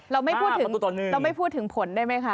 เราไม่พูดถึงผลได้ไหมคะ